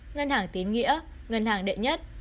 ngân hàng tín nghĩa ngân hàng đệ nhất